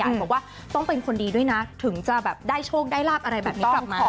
บอกว่าต้องเป็นคนดีด้วยนะถึงจะแบบได้โชคได้ลาบอะไรแบบนี้กลับมาขอ